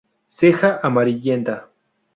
Ceja amarillenta.